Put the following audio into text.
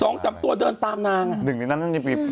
สองสามตัวเดินตามนางอ่ะหนึ่งในนั้นน่าจะมี